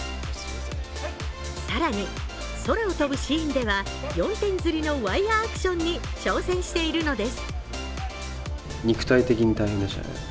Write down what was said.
更に、空を飛ぶシーンでは４点づりのワイヤーアクションに挑戦しているのです。